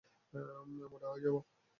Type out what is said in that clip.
মোটা হয়ে যাবো।